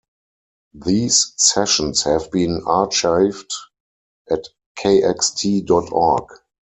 These sessions have been archived at kxt dot org.